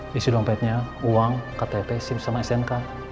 di situ dompetnya uang ktp sim sama stnk